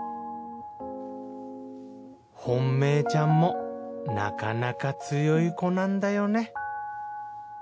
本命ちゃんもなかなか強い子なんだよね